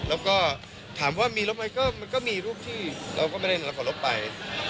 แล้วก็ถามว่ามีลบไหมก็มันก็มีรูปที่เราก็ไม่ได้รับขอรบไป